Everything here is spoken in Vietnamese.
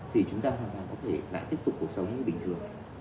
thì chúng ta hoàn toàn có thể lại tiếp tục cuộc sống như bình thường